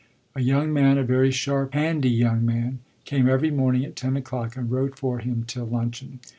A young man, a very sharp, handy young man, came every morning at ten o'clock and wrote for him till luncheon.